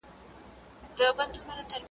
ګیدړ ږغ کړه ویل زرکي دورغجني ,